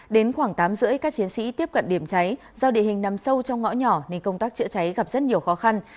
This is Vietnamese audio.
đến khoảng tám h ba mươi các chiến sĩ tiếp cận điểm cháy do địa hình nằm sâu trong ngõ nhỏ nên công tác chữa cháy gặp rất nhiều khó khăn